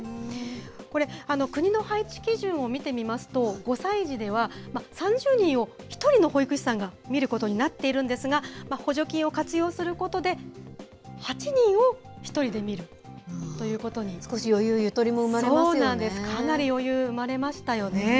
これ、国の配置基準を見てみますと、５歳児では３０人を１人の保育士さんが見ることになっているんですが、補助金を活用することで、少し余裕、ゆとりも生まれまそうなんです、かなり余裕、生まれましたよね。